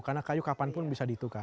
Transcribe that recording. karena kayu kapanpun bisa ditukar